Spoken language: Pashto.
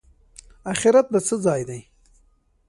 اخرت د څه ځای دی؟